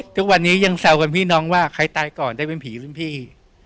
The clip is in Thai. ทุกวันนี้ยังแซวกันพี่น้องว่าใครตายก่อนได้เป็นผีรุ่นพี่